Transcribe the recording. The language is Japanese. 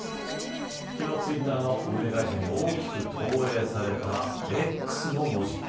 昨日ツイッターの運営会社に大きく投影されたＸの文字。